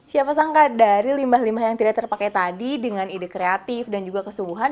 siapa sangka dari limbah limbah yang tidak terpakai tadi dengan ide kreatif dan juga kesungguhan